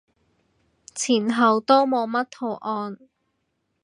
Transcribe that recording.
前後都冇乜圖案